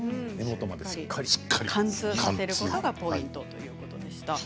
貫通させるのがポイントということでした。